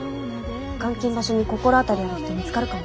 監禁場所に心当たりある人見つかるかも。